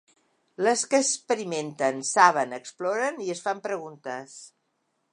Les que experimenten, saben, exploren i es fan preguntes.